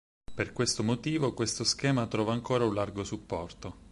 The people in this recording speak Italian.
Per questo motivo questo schema trova ancora un largo supporto.